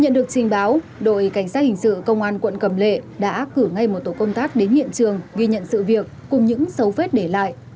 nhận được trình báo đội cảnh sát hình sự công an quận cầm lệ đã cử ngay một tổ công tác đến hiện trường ghi nhận sự việc cùng những dấu vết để lại